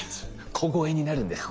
小声になるんですね。